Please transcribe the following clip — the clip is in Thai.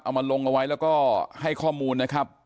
มาลงเอาไว้แล้วก็ให้ข้อมูลนะครับ